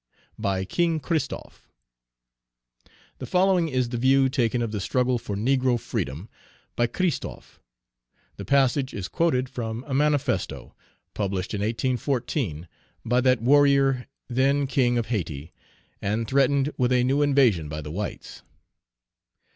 BY KING CHRISTOPHE. THE following is the view taken of the struggle for negro freedom by CHRISTOPHE; the passage is quoted from a manifesto, published in 1814, by that warrior, then King of Hayti, and threatened with a new invasion by the whites.